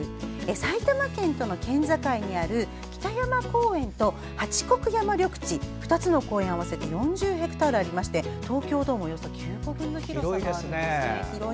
埼玉県との県境にある北山公園と八国山緑地２つの公園合わせて４０ヘクタールありまして東京ドームおよそ９個分の広さがあるんです。